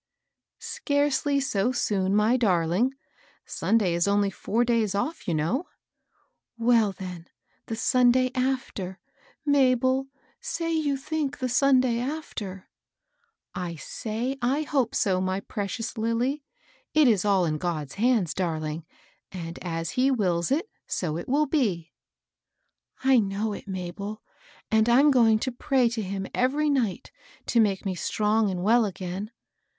" Scarcely so soon, my darling. Sunday is only four days off, you know." " Well, then, the Sunday after, — Mabel, say you think the Sunday after I "" I say I hope so, my precious Lilly. It is all in God's hands, darling ; and as he wills it, so it wiU be." I know it, Mabel ; and I'm gomg to pray to 8 114 MABEL ROSS. Mm every night to make me strong and well again.